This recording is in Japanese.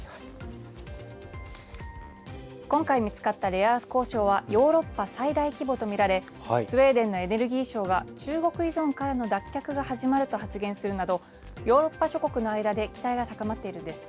今回見つかったレアアース鉱床はヨーロッパ最大規模と見られスウェーデンのエネルギー相が中国依存からの脱却が始まると発言するなどヨーロッパ諸国の間で期待が高まっているんです。